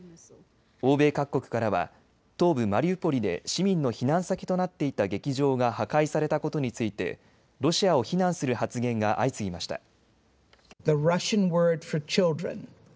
欧米各国からは東部マリウポリで市民の避難先となっていた劇場が破壊されたことについてロシアを非難する発言が相次ぎました。